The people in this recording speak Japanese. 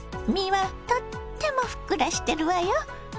身はとってもふっくらしてるわよ。